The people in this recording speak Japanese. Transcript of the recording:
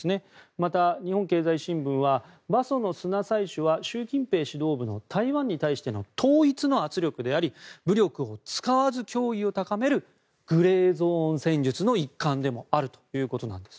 また、日本経済新聞は馬祖の砂採取は習近平指導部の台湾に対しての統一の圧力であり武力を使わず脅威を高めるグレーゾーン戦術の一環でもあるということなんです。